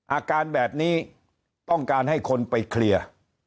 อาการแบบนี้ต้องการให้คนไปเคลียร์